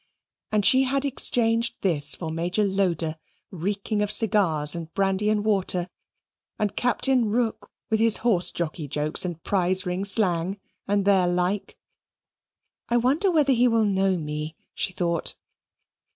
and she had exchanged this for Major Loder, reeking of cigars and brandy and water, and Captain Rook with his horsejockey jokes and prize ring slang, and their like. "I wonder whether he will know me," she thought.